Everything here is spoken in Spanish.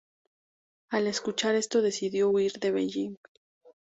Al escuchar esto decidió huir de Beijing.